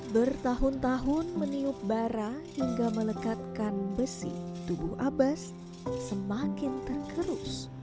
bertahun tahun meniup bara hingga melekatkan besi tubuh abas semakin terkerus